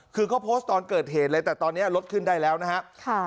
คือเขาโพสต์ตอนเกิดเหตุเลยแต่ตอนนี้รถขึ้นได้แล้วนะครับ